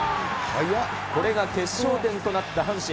これが決勝点となった阪神。